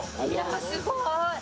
すごい！